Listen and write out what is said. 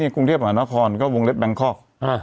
กรุงเทพมหานครก็วงเล็บแบงคอก